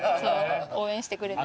応援してくれてた。